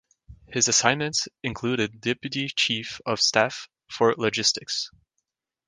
His assignments included Deputy Chief of Staff for Logistics.